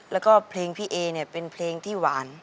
แล้วก็เพลงพี่เอเนี่ยเป็นเพลงที่หวาน